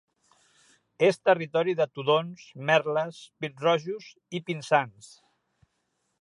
És territori de tudons, merles, pit-rojos i pinsans.